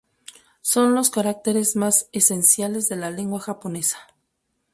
Son los caracteres más esenciales de la lengua japonesa.